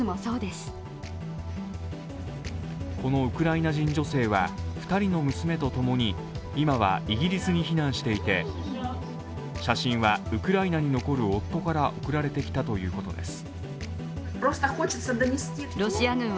このウクライナ人女性は２人の娘とともに今はイギリスに避難していて、写真はウクライナに残る夫から送られてきたということです。